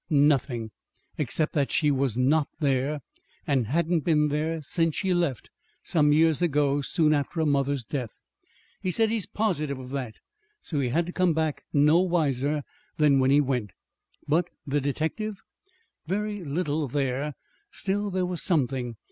"Nothing except that she was not there, and hadn't been there since she left some years ago, soon after her mother's death. He says he's positive of that. So he had to come back no wiser than he went." "But the detective." "Very little there. Still, there was something.